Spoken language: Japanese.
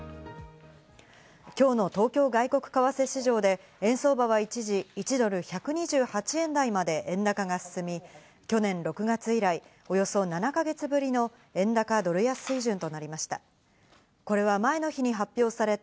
今日の東京外国為替市場で円相場は一時、１ドル＝１２８円台まで円高が進み、去年６月以来、およそ７か月ぶりの円高ドル安水準となりました。